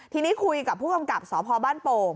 ทีนี้คุยกับผู้กำกับสพบ้านโป่ง